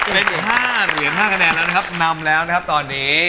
เหลืออยู่๕เหรียญ๕คะแนนแล้วนะครับนำแล้วนะครับตอนนี้